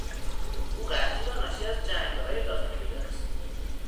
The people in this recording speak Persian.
او قحطی را ناشی از جنگهای داخلی میدانست.